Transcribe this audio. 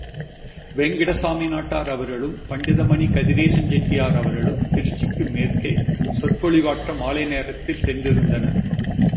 வேங்கடசாமி நாட்டார் அவர்களும், பண்டித மணி கதிரேசஞ் செட்டியார் அவர்களும், திருச்சிக்கு மேற்கே, சொற்பொழிவாற்ற மாலை நேரத்தில் சென்றிருந்தனர்.